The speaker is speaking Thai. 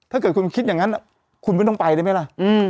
ถ้าเกิดคุณคิดอย่างนั้นคุณไม่ต้องไปได้ไหมล่ะ